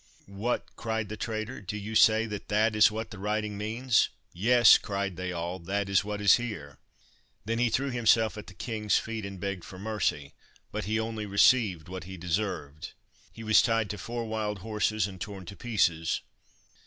"What!" cried the traitor, "do you say that that is what the writing means?" "Yes," cried they all. "That is what is here." Then he threw himself at the king's feet and begged for mercy, but he only received what he deserved. He was tied to four wild horses and torn to pieces.